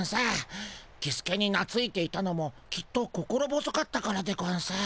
キスケになついていたのもきっと心細かったからでゴンス。